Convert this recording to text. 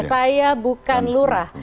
saya bukan lurah